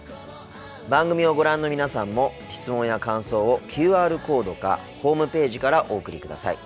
番組をご覧の皆さんも質問や感想をＱＲコードかホームページからお送りください。